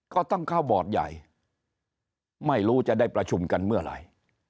ก็ต้องเข้าบอร์ดใหญ่ไม่รู้จะได้ประชุมกันเมื่อไหร่